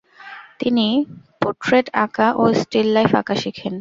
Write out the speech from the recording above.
তিনি পোর্ট্রেট আঁকা ও স্টিল লাইফ আঁকা শেখেন।